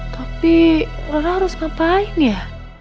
jadi lora harus ngapain ya